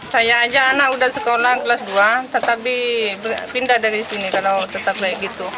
saya aja anak udah sekolah kelas dua tetapi pindah dari sini kalau tetap kayak gitu